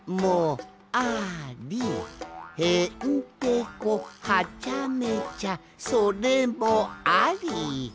「へ・ん・て・こ・は・ちゃ・め・ちゃそ・れ・も・あ・り」